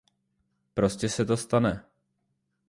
Prostě se to stane.